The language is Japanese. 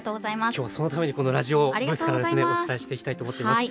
今日はそのためにこのラジオブースからお伝えしていきたいと思っています。